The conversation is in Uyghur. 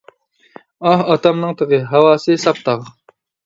ئاھ ئاتامنىڭ تېغى، ھاۋاسى ساپ تاغ!